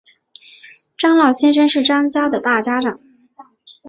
张老先生是张家的大家长